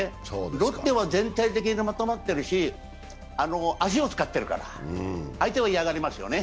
ロッテは全体的にまとまってるし、足を使ってるから、相手は嫌がりますよね。